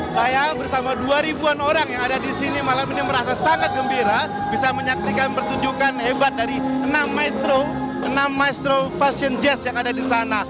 saya bersama dua ribuan orang yang ada di sini malam ini merasa sangat gembira bisa menyaksikan pertunjukan hebat dari enam maestro enam maestro fashion jazz yang ada di sana